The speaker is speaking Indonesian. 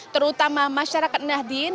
terutama masyarakat nahdin